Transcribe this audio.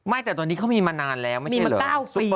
แต่ตอนนี้เขามีมานานแล้วไม่มีมา๙ปี